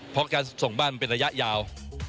เพราะการส่งบ้านเป็นระยะยาว